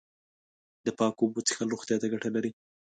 د پاکو اوبو څښل روغتیا ته گټه لري.